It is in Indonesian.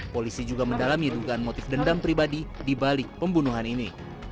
polisi juga mendalami dugaan motif dendam pribadi dibalik pembunuhan ini